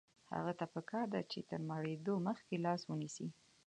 هغه ته پکار ده چې تر مړېدو مخکې لاس ونیسي.